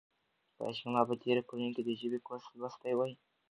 کاشکې ما په تېرو کلونو کې د ژبې کورس لوستی وای.